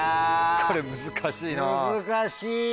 これ難しいな。